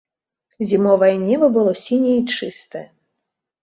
Зімовае неба было сіняе і чыстае.